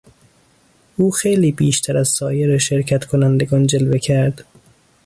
او خیلی بیشتر از سایر شرکت کنندگان جلوه کرد.